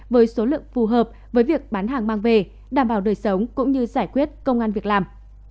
với số lượng phù hợp với việc bán hàng mang về đảm bảo đời sống cũng như giải quyết công an việc làm